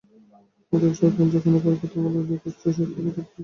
অতএব সাবধান, যখন অপরকে তোমার উপর যথেচ্ছ শক্তি প্রয়োগ করিতে দাও।